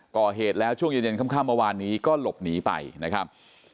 ก่อเหตุแล้วช่วงเย็นค่ำเมื่อวานนี้ก็หลบหนีไปนะครับ